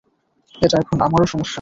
এটা এখন আমারও সমস্যা।